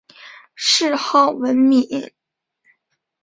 谥号文敏。